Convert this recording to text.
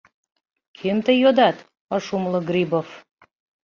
— Кӧм тый йодат? — ыш умыло Грибов.